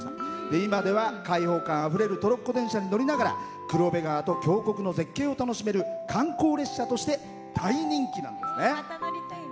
今では開放感あふれるトロッコ電車に乗りながら黒部川と峡谷を楽しめる観光列車として大人気なんですよね。